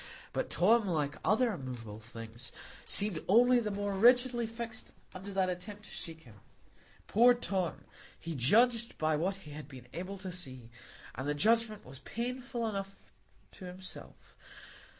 But Tom, like other immovable things, seemed only the more rigidly fixed under that attempt to shake him. Poor Tom! he judged by what he had been able to see; and the judgment was painful enough to himself.